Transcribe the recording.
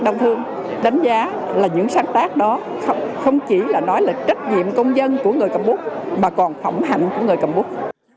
đông thương đánh giá là những sáng tác đó không chỉ là nói là trách nhiệm công dân của người cầm bút mà còn phỏng hạnh của người cầm bút